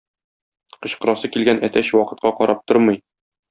Кычкырасы килгән әтәч вакытка карап тормый.